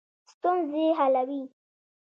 ستونزې حلوي.